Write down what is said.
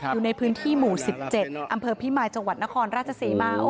อยู่ในพื้นที่หมู่๑๗อำเภอพิมายจังหวัดนครราชศรีมา